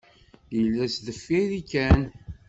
Yella sdeffir-i kan.